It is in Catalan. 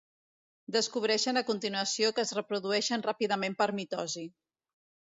Descobreixen a continuació que es reprodueixen ràpidament per mitosi.